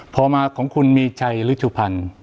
พอมาของคุณมีชัยฤทธิวภัณฑ์